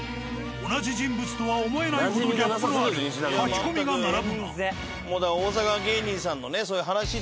同じ人物とは思えないほどギャップのある書き込みが並ぶが。